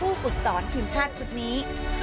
อุดสอนทีมชาติทุกนี้